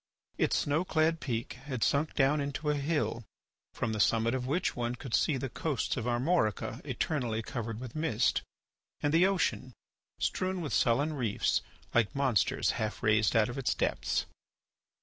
Its snow clad peak had sunk down into a hill from the summit of which one could see the coasts of Armorica eternally covered with mist, and the ocean strewn with sullen reefs like monsters half raised out of its depths.